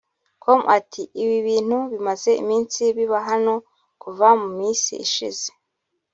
com ati “ Ibi bintu bimaze iminsi biba hano kuva mu minsi ishize